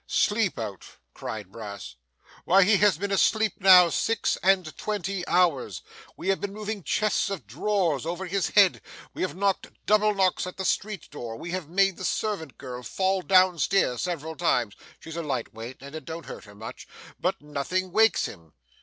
'Sleep out!' cried Brass; 'why he has been asleep now, six and twenty hours. We have been moving chests of drawers over his head, we have knocked double knocks at the street door, we have made the servant girl fall down stairs several times (she's a light weight, and it don't hurt her much,) but nothing wakes him.